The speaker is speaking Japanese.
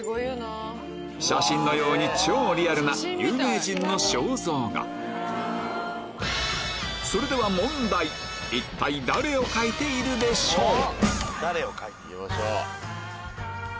写真のように超リアルな有名人の肖像画それでは一体誰を描いているんでしょうか？